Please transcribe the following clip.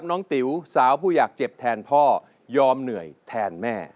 ติ๋วสาวผู้อยากเจ็บแทนพ่อยอมเหนื่อยแทนแม่